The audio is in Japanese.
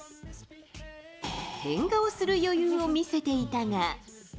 変顔する余裕を見せていたが。